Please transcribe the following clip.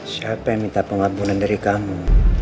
siapa yang minta pengabunan dari kamu